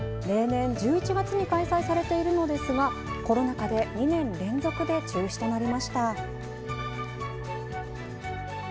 例年、１１月に開催されているのですがコロナ禍で２年連続で中止となりました。